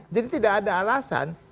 jadi tidak ada alasan